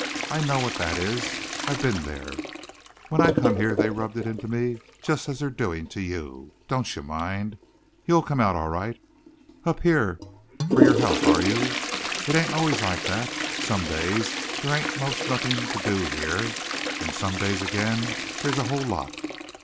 I know what that is. I been there. When I come here they rubbed it into me jist as they're doin' to you. Doncher mind. You'll come out all right. Up here for your health, are you? It ain't always like that. Somedays there ain't most nothin' to do here. Then somedays ag'in there's a whole lot.